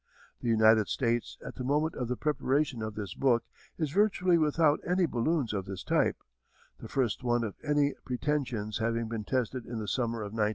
The United States at the moment of the preparation of this book is virtually without any balloons of this type the first one of any pretensions having been tested in the summer of 1917.